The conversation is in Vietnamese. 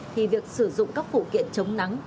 thì việc sử dụng các phụ kiện chống nắng